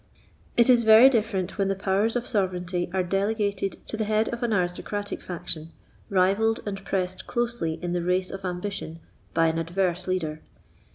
It is very different when the powers of sovereignty are delegated to the head of an aristocratic faction, rivalled and pressed closely in the race of ambition by an adverse leader.